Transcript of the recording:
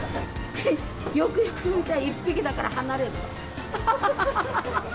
よくよく見たら１匹だから離れるわ。